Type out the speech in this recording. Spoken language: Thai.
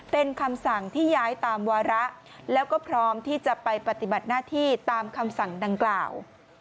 เป็นคำสั่งที่ย้ายตามวาระแล้วก็พร้อมที่จะไปปฏิบัติหน้าที่ตามคำสั่งดังกล่าว